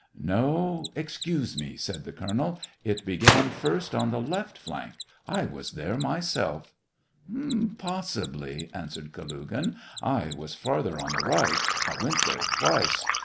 "No, excuse me," said the colonel; "it be gan first on the left flank. I was there myself'' "Possibly," answered Kalugin. I was farther on the right ; I went there twice.